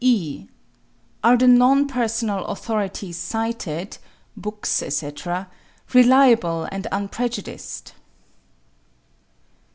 (e) Are the non personal authorities cited (books, etc.) reliable and unprejudiced?